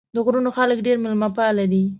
د غرونو خلک ډېر مېلمه پال دي.